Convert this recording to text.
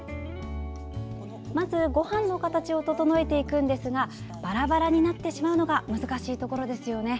まず、ごはんの形を整えていくんですがバラバラになってしまうのが難しいところですよね。